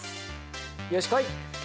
よし来い！